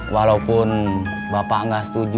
walaupun bapak enggak setuju